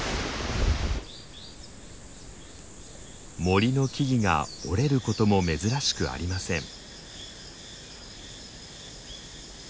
森の木々が折れることも珍しくありません。